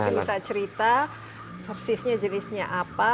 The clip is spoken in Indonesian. mungkin bisa cerita persisnya jenisnya apa